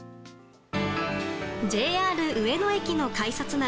ＪＲ上野駅の改札内。